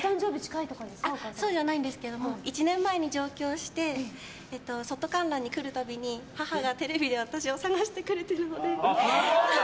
そうじゃないんですけど１年前に上京して外観覧に来るたびに母がテレビで私を探してくれてるので。